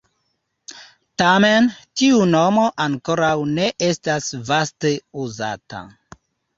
Tamen, tiu nomo ankoraŭ ne estas vaste uzata.